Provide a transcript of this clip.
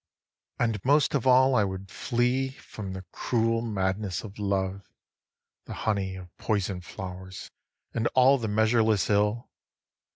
10. And most of all would I flee from the cruel madness of love, The honey of poison flowers and all the measureless ill.